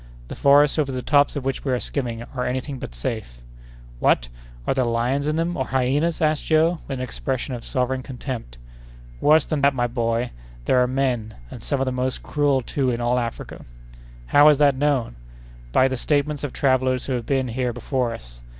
The forests over the tops of which we are skimming are any thing but safe." "What! are there lions in them, or hyenas?" asked Joe, with an expression of sovereign contempt. "Worse than that, my boy! There are men, and some of the most cruel, too, in all Africa." "How is that known?" "By the statements of travellers who have been here before us.